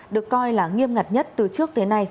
được coi là nghiêm ngặt nhất từ trước tới nay